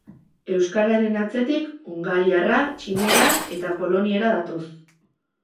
Euskararen atzetik, hungariarra, txinera eta poloniera datoz.